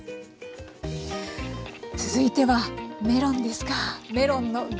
続いてはメロンですか！